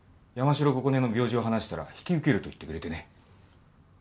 山城心音の病状を話したら引き受けると言ってくれてね。